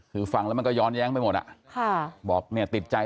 คุณต้องการรู้สิทธิ์ของเขา